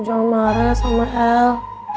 jangan marah ya sama el